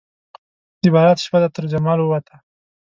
د برات شپه ده ترجمال ووته